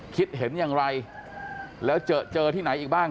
คิดเห็นอย่างไรแล้วเจอที่ไหนอีกบ้าง